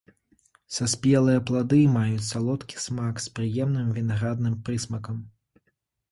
Саспелыя плады маюць салодкі смак з прыемным вінаградным прысмакам.